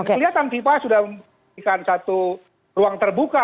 kelihatan vipa sudah memiliki satu ruang terbuka